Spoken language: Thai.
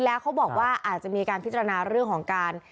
แล้วเขาบอกว่าอาจจะมีการพิจารณาเรื่องของการ